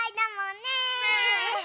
ねえ！